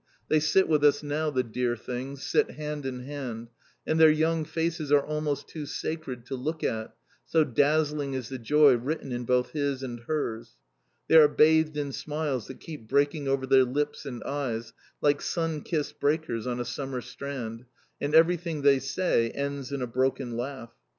They sit with us now, the dear things, sit hand in hand, and their young faces are almost too sacred to look at, so dazzling is the joy written in both his and hers. They are bathed in smiles that keep breaking over their lips and eyes like sun kissed breakers on a summer strand, and everything they say ends in a broken laugh.